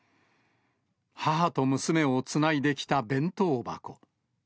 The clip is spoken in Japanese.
母と娘をつないできた弁当箱。